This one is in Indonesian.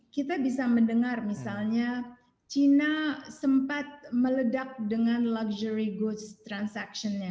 saya bisa mendengar misalnya cina sempat meledak dengan luxury goods transaksinya